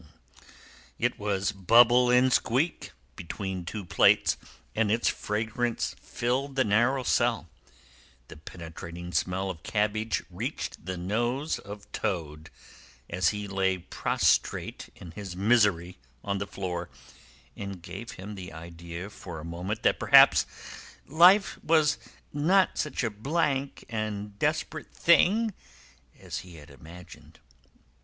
It was bubble and squeak, between two plates, and its fragrance filled the narrow cell. The penetrating smell of cabbage reached the nose of Toad as he lay prostrate in his misery on the floor, and gave him the idea for a moment that perhaps life was not such a blank and desperate thing as he had imagined.